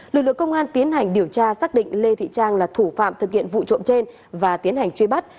lực lượng công an tiến hành điều tra xác định lê thị trang là thủ phạm thực hiện vụ trộm trên và tiến hành truy bắt